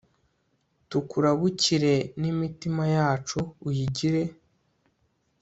tukurabukire n'imitima yacu uyigire